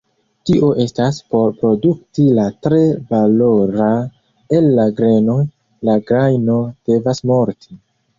Tio estas, por produkti la tre valora el la grenoj, la grajno devas morti.